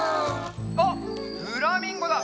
あっフラミンゴだ！